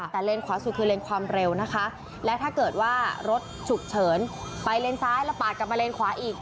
แต่เลนขวาสุดคือเลนความเร็วนะคะและถ้าเกิดว่ารถฉุกเฉินไปเลนซ้ายแล้วปาดกลับมาเลนขวาอีก